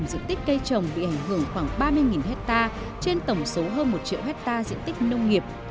diện tích cây trồng bị ảnh hưởng khoảng ba mươi hectare trên tổng số hơn một triệu hectare diện tích nông nghiệp